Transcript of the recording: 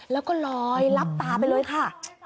แล้วก็ลอยลับตาไปเลยค่ะ